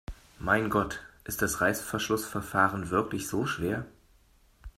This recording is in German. Mein Gott, ist das Reißverschlussverfahren wirklich so schwer?